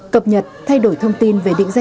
cập nhật thay đổi thông tin về định dạy